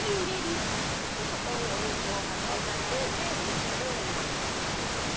そこにお水を張っていただいて蒸し料理が楽しめるように。